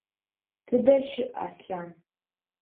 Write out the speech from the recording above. Тыдэ щыӏ Аслъан?